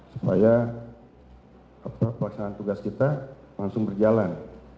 supaya pelaksanaan tugas kita langsung berjalan